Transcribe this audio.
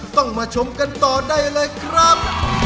ต้องมาชมกันต่อได้เลยครับ